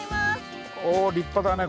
お立派だね。